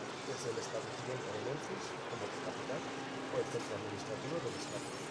Desde el establecimiento de Menfis como capital, fue el centro administrativo del estado.